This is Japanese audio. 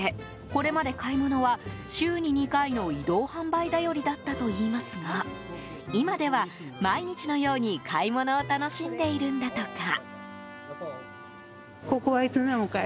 これまで、買い物は週に２回の移動販売頼りだったといいますが今では、毎日のように買い物を楽しんでいるんだとか。